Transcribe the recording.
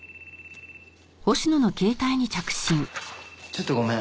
ちょっとごめん。